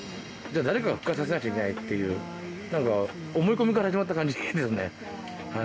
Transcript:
じゃあ誰かが復活させなきゃいけないっていう何か思い込みから始まった感じですね。